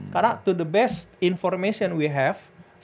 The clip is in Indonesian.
karena untuk informasi terbaik yang kita punya